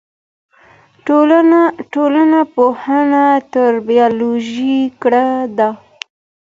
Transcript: ټولنپوهنه تر بیولوژي کره ده.